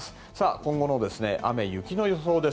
今後の雨雪の予想です。